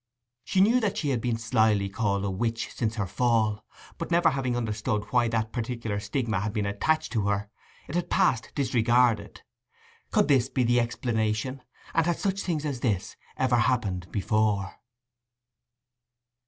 She knew that she had been slily called a witch since her fall; but never having understood why that particular stigma had been attached to her, it had passed disregarded. Could this be the explanation, and had such things as this ever happened before?